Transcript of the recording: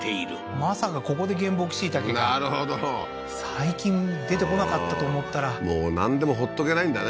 まさかここで原木シイタケがなるほど最近出てこなかったと思ったらもうなんでもほっとけないんだね